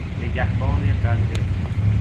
نگهبان قلعه